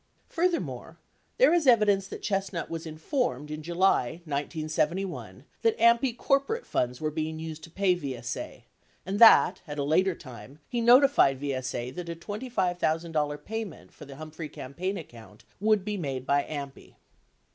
Furthermore, there is evidence that Chestnut was informed in July 1971 that AMPI corporate funds were being used to pay VSA, and that, at a later time, he notified VSA that a $25,000 payment for the Humphrey campaign account would be made by AMPI.